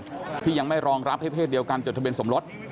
ข้อมูลกฎหมายแพ่งที่ยังไม่รองรับให้เพศเดียวกันจดทะเบียนสมรส